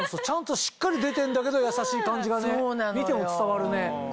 ちゃんとしっかり出てるんだけど優しい感じがね見ても伝わるね。